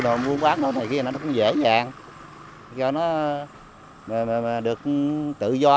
rồi mua bán nó này kia nó cũng dễ dàng cho nó được tự do